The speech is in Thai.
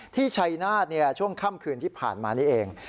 ชัยนาธช่วงค่ำคืนที่ผ่านมานี้เอง